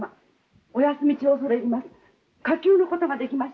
お休み中恐れ入ります。